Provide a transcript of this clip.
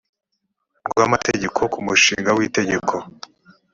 rw amategeko ku mushinga w itegeko